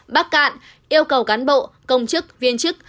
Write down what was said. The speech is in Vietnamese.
bắc cạn yêu cầu cán bộ công chức viên chức